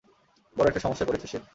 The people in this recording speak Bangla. বড় একটা সমস্যায় পড়েছে সে।